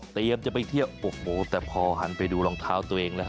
เตรมจะไปเถือบโอ้โห๑๐๐๐แต่พอหันไปดิวรองเท้าตัวเองหละ